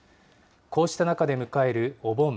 こうした中で迎えるお盆。